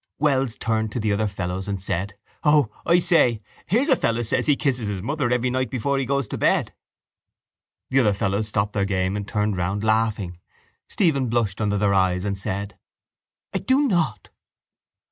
Wells turned to the other fellows and said: —O, I say, here's a fellow says he kisses his mother every night before he goes to bed. The other fellows stopped their game and turned round, laughing. Stephen blushed under their eyes and said: —I do not.